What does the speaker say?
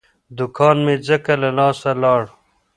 دوکان مې ځکه له لاسه لاړ.